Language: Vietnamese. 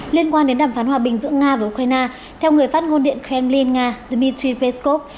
liên quan đến đàm phán hòa bình giữa nga và ukraine theo người phát ngôn điện kremlin nga dmitry peskov